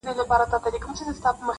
چي د ښارونو جنازې وژاړم-